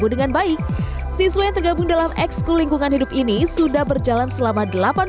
dengan baik siswa yang tergabung dalam ekskul lingkungan hidup ini sudah berjalan selama delapan